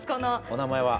お名前は？